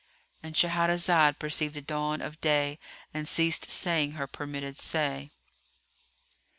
——And Shahrazad perceived the dawn of day and ceased saying her permitted say.